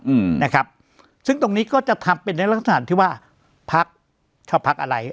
อืมนะครับซึ่งตรงนี้ก็จะทำเป็นในลักษณะที่ว่าพักชอบพักอะไร